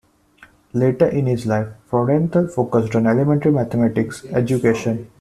Later in his life, Freudenthal focused on elementary mathematics education.